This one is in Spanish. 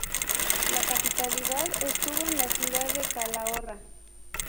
La capitalidad estuvo en la ciudad de Calahorra.